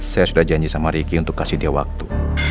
saya sudah janji sama ricky untuk kasih dia waktu